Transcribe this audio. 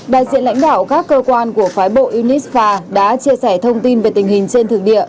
đại diện lãnh đạo các cơ quan của phái bộ uniska đã chia sẻ thông tin về tình hình trên thực địa